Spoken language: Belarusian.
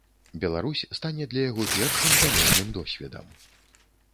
Беларусь стане для яго першым замежным досведам.